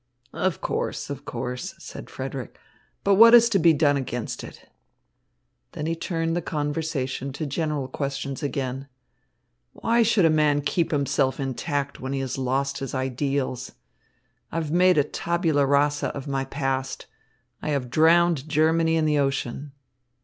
"Of course, of course," said Frederick, "but what is to be done against it?" Then he turned the conversation to general questions again. "Why should a man keep himself intact when he has lost his ideals? I have made tabula rasa of my past. I have drowned Germany in the ocean.